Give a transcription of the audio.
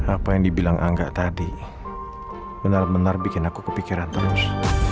apa yang dibilang angga tadi benar benar bikin aku kepikiran terus